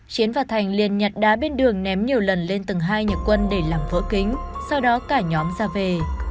chiến và thành liền nhặt đá bên đường ném nhiều lần lên tầng hai nhà quân để làm vỡ kính sau đó cả nhóm ra về